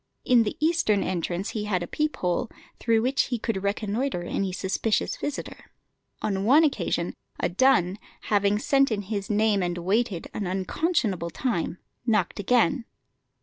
In the eastern entrance he had a peep hole, through which he could reconnoitre any suspicious visitor. On one occasion a dun, having sent in his name and waited an unconscionable time, knocked again.